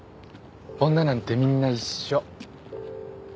女なんてみんな一緒。